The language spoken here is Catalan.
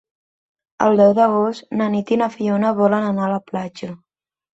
El deu d'agost na Nit i na Fiona volen anar a la platja.